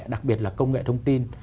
đặc biệt là công nghệ thông tin